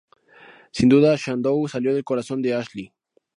Sin duda "Shadow" salió del corazón de Ashlee.